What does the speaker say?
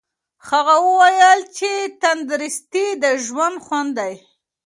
هغه وویل چې تندرستي د ژوند خوند دی.